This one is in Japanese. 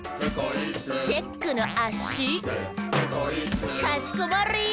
「チェックのあ・し！」「かしこまり！」